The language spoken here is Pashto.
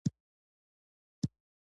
چین د نړۍ تولیداتو ډېره برخه لري.